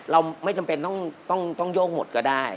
เราไม่จำเป็นต้องโยกหมดก็ได้